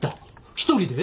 一人で？